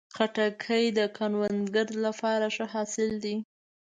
خټکی د کروندګرو لپاره ښه حاصل دی.